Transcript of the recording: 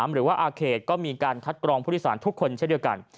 หรือว่าอาเขตก็มีการคัดกรองผู้โดยสารทุกคนเช่นเดียวกัน